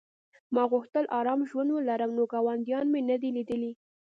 ما غوښتل ارام ژوند ولرم نو ګاونډیان مې نه دي لیدلي